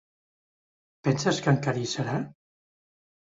Penses que encara hi serà?